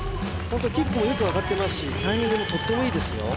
ホントキックもよく上がってますしタイミングもとってもいいですよ